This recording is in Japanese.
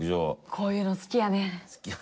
こういうの好きやねん。